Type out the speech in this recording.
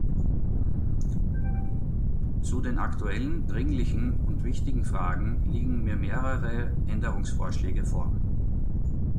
Zu den aktuellen, dringlichen und wichtigen Fragen liegen mir mehrere Änderungsvorschläge vor.